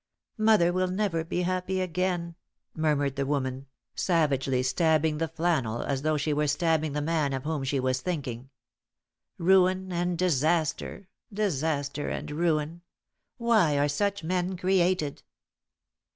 "Mother will never be happy again," murmured the woman, savagely stabbing the flannel as though she were stabbing the man of whom she was thinking. "Ruin and disaster. Disaster and ruin! Why are such men created?"